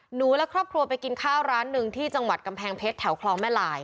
หนูและครอบครัวไปกินข้าวร้านหนึ่งที่จังหวัดกำแพงเพชรแถวคลองแม่ลาย